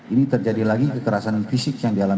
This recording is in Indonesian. ini terjadi lagi kekerasan fisik yang dialami